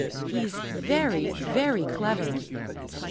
He's very, very clever."